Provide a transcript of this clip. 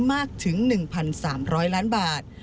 มากถึง๑๓๐๐ล้านบาท